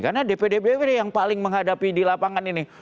karena dpd dpd yang paling menghadapi di lapangan ini